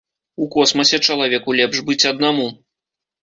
У космасе чалавеку лепш быць аднаму.